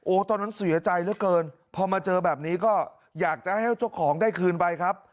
ตอนนั้นเสียใจเหลือเกินพอมาเจอแบบนี้ก็อยากจะให้เจ้าของได้คืนไปครับ